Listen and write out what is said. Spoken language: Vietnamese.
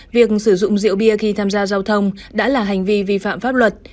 việc sử dụng rượu bia khi tham gia giao thông đã là hành vi vi phạm pháp luật